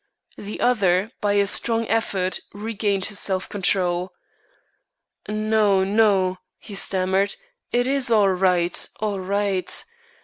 The other, by a strong effort, regained his self control. "No, no," he stammered; "it is all right, all right.